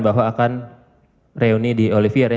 bahwa akan reuni di olivier ya